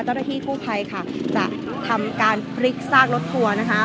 เจ้าที่ผู้ไพค่ะจะทำการฟริกซากรถทัวร์นะคะ